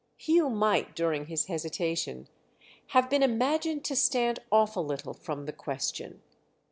Hugh might, during his hesitation, have been imagined to stand off a little from the question.